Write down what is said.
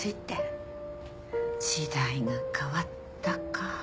「時代が変わった」か。